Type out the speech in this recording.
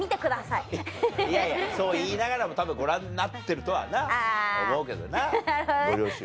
いやいやそう言いながらもたぶんご覧になってるとはな思うけどなご両親はな。